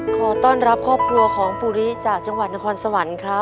ขอต้อนรับครอบครัวของปูริจากจังหวัดนครสวรรค์ครับ